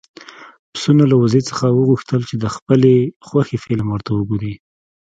پسونه له وزې څخه وغوښتل چې د خپلې خوښې فلم ورته وګوري.